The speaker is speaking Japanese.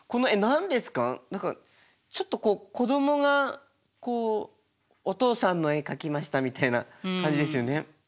何かちょっとこう子どもがお父さんの絵描きましたみたいな感じですよね。